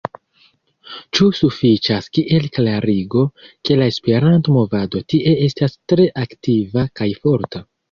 Ĉu sufiĉas kiel klarigo, ke la Esperanto-movado tie estas tre aktiva kaj forta?